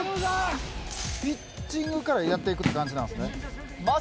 ピッチングからやっていくという感じなんですね。